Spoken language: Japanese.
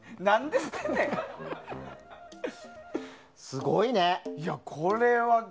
すごいね。